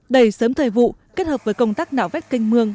đầy sớm thời vụ kết hợp với công tác nạo vét canh mương